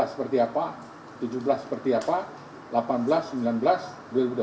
seperti apa dua ribu tujuh belas seperti apa